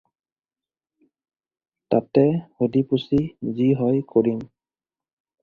তাতে সুধি-পুছি যি হয় কৰিম।